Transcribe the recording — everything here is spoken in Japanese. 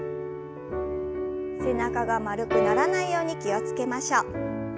背中が丸くならないように気を付けましょう。